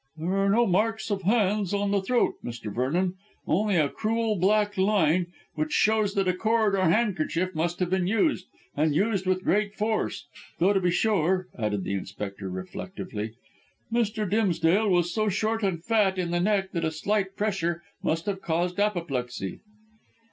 "There are no marks of hands on the throat, Mr. Vernon; only a cruel black line, which shows that a cord or handkerchief must have been used and used with great force. Though, to be sure," added the Inspector reflectively, "Mr. Dimsdale was so short and fat in the neck that a slight pressure must have caused apoplexy."